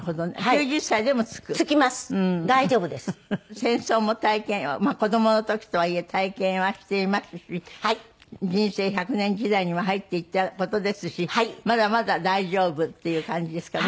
戦争も体験子供の時とはいえ体験はしていますし人生１００年時代にも入っていった事ですしまだまだ大丈夫っていう感じですかね。